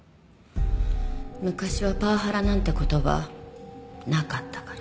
昔はパワハラなんて言葉なかったから。